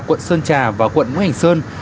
quận sơn trà và quận nguyễn hành sơn